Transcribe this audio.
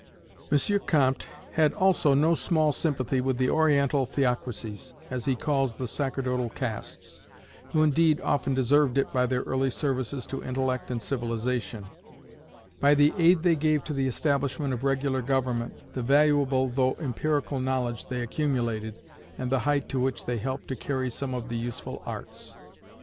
M. Comte had also no small sympathy with the Oriental theocracies, as he calls the sacerdotal castes, who indeed often deserved it by their early services to intellect and civilization; by the aid they gave to the establishment of regular government, the valuable though empirical knowledge they accumulated, and the height to which they helped to carry some of the useful arts.